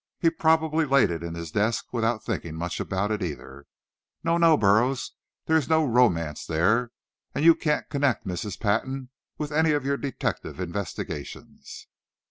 He probably laid it in his desk without thinking much about it, either. No, no, Burroughs, there is no romance there, and you can't connect Mrs. Patton with any of your detective investigations."